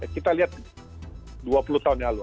kita lihat dua puluh tahun yang lalu